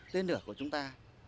tiên nửa của chúng ta